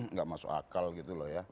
nggak masuk akal gitu loh ya